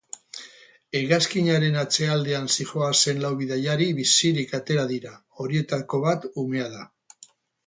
Hegazkinaren atzealdean zihoazen lau bidaiari bizirik atera dira, horietariko bat umea da.